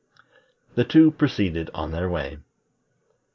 The two proceeded on their way.